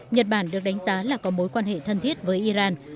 nhật bản được đánh giá là có mối quan hệ thân thiết với iran